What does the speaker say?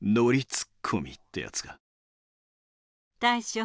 大将！